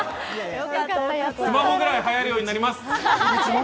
スマホぐらいはやるぐらいになります。